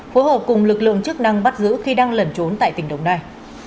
phối hợp cùng lực lượng chức năng bắt giữ khi đang lẩn trốn tại tỉnh đồng nai